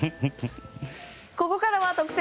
ここからは特選！